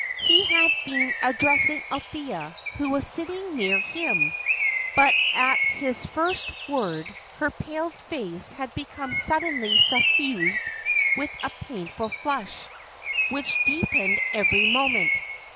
He had been addressing Althea, who was sitting near him; but at his first word, her pale face had become suddenly suffused with a painful flush, which deepened every moment.